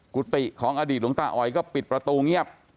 กุฏิของอดีตหลวงตาอ๋อยก็ปิดประตูเงียบ